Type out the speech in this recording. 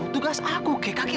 tugas aku keh